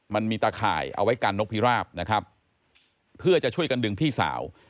มันมีตะข่ายเอาไว้กันนกพิราบนะครับเพื่อจะช่วยกันดึงพี่สาว